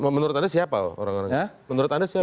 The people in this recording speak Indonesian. menurut anda siapa loh orang orang ini